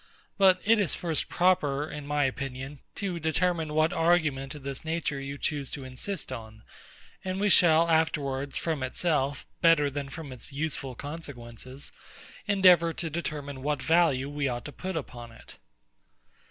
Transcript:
But it is first proper, in my opinion, to determine what argument of this nature you choose to insist on; and we shall afterwards, from itself, better than from its useful consequences, endeavour to determine what value we ought to put upon it.